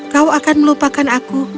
kau akan melupakan aku